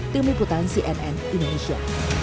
tim liputan cnn indonesia